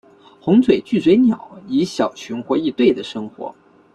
红嘴巨嘴鸟以小群或一对的生活。